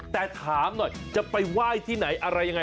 แต่ถามหน่อยจะไปไหว้ที่ไหนอะไรยังไง